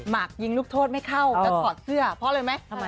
หมากยิงลูกโทษไม่เข้าแต่ถอดเสื้อพอเลยไหม